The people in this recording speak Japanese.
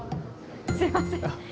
すいません。